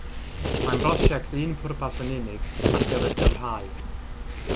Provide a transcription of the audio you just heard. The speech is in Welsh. Mae'n brosiect un pwrpas yn unig ar gyfer Dyfrhau.